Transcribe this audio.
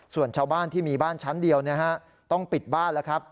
ส่วนชาวบ้านที่มีบ้านชั้นเดียวต้องปิดบ้านแล้วครับ